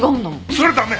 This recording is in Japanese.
それ駄目！